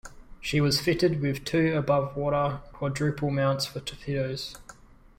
She was fitted with two above-water quadruple mounts for torpedoes.